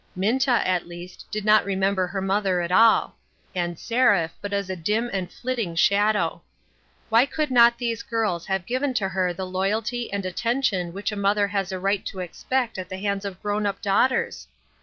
Minta, at least, did not remember her mother at all ; and Seraph, but as a dim and flitting shadow. Why could not these girls have given to her the loyalty and attention which a mother has a right to expect at the hands of grown up daughters